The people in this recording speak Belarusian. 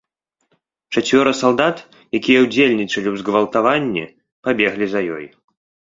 Чацвёра салдат, якія ўдзельнічалі ў згвалтаванні, пабеглі за ёй.